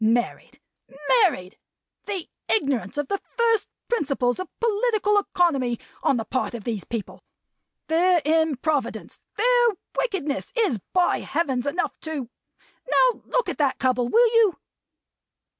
Married! Married!! The ignorance of the first principles of political economy on the part of these people; their improvidence; their wickedness is by Heavens! enough to Now look at that couple, will you!"